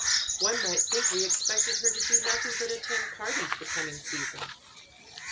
One might think we expected her to do nothing but attend parties the coming season."